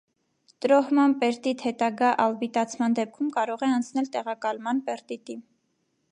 Տրոհման պերտիտ հետագա ալբիտացման դեպքում կարող է անցնել տեղակալման պերտիտի։